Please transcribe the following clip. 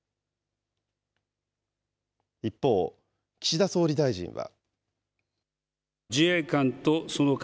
一方、岸田総理大臣は。